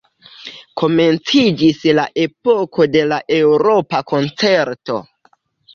Komenciĝis la epoko de la Eŭropa Koncerto.